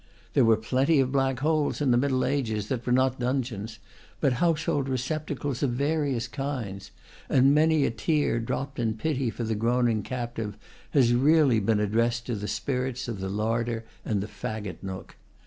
There were plenty of black holes in the Middle Ages that were not dungeons, but household receptacles of various kinds; and many a tear dropped in pity for the groaning captive has really been addressed to the spirits of the larder and the faggot nook.